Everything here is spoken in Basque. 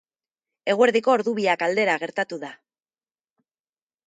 Eguerdiko ordu biak aldera gertatu da.